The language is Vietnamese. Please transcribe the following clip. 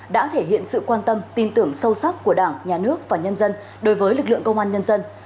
đã thể hiện sự quan tâm tin tưởng sâu sắc của đảng nhà nước và nhân dân đối với lực lượng công an nhân dân